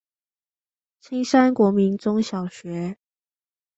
青山國民中小學